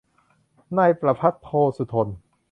นายประภัตร โพธสุธน